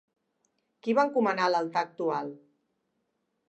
Qui va encomanar l'altar actual?